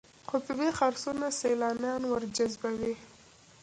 قطبي خرسونه سیلانیان ورجذبوي.